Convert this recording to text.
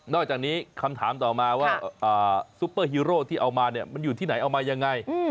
อกจากนี้คำถามต่อมาว่าซุปเปอร์ฮีโร่ที่เอามาเนี่ยมันอยู่ที่ไหนเอามายังไง